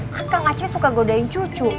kan kang aceh suka godain cucu